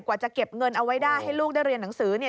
จะเก็บเงินเอาไว้ได้ให้ลูกได้เรียนหนังสือ